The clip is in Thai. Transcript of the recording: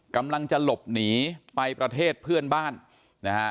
กำลังจะหลบหนีไปประเทศเพื่อนบ้านนะฮะ